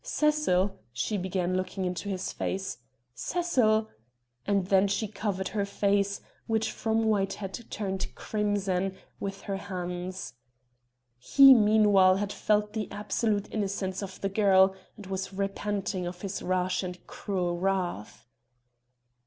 "Cecil!" she began, looking into his face, "Cecil...." and then she covered her face, which from white had turned crimson, with her hands. He meanwhile had felt the absolute innocence of the girl, and was repenting of his rash and cruel wrath.